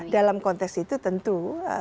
dalam konteks itu tentu